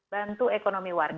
bantu ekonomi warga